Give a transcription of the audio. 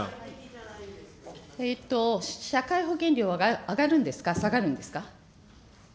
社会保険料は上がるんですか、下がるんですか。